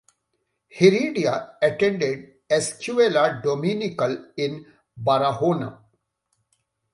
Heredia attended Escuela Dominical in Barahona.